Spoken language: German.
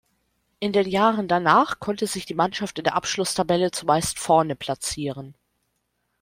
In den Jahren danach konnte sich die Mannschaft in der Abschlusstabelle zumeist vorne platzieren.